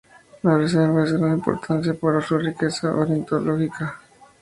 La reserva es de gran importancia por su riqueza ornitológica.